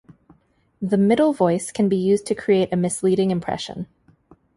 The "middle voice" can be used to create a misleading impression.